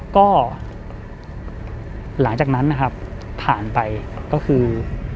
ก็หลังจากนั้นนะครับผ่านไปก็คือ